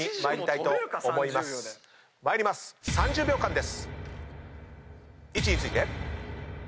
３０秒間。